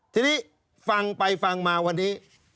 ทีนี้ฟังไปฟังมาวันนี้